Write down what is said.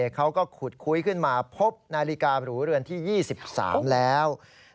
เขาก็ขุดคุยขึ้นมาพบนาฬิการูเรือนที่๒๓แล้ว